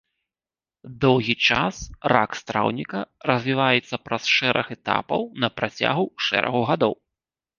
Доўгі час рак страўніка развіваецца праз шэраг этапаў на працягу шэрагу гадоў.